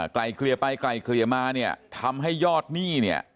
ไกลเกลี่ยไปไกลเกลี่ยมาเนี่ยทำให้ยอดหนี้เนี่ย